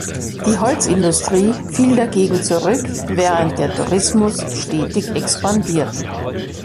Die Holzindustrie fiel dagegen zurück, während der Tourismus stetig expandiert.